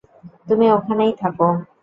তুমি ওখানেই থাকো।